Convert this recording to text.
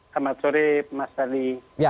selamat sore mas serdi